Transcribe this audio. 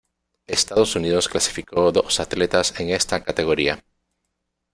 Estados Unidos clasificó dos atletas en esta categoría.